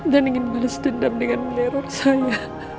dan ingin balas dendam dengan meneror saya